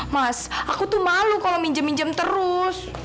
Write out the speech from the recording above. mas aku tuh malu kalau minjem minjem terus